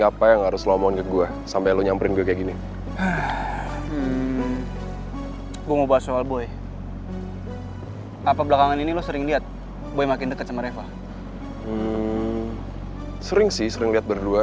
ada yang mau ketemu sama non reva